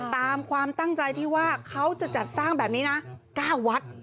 ตามความตั้งใจที่ว่าเขาจะจัดสร้างแบบนี้นะ๙วัด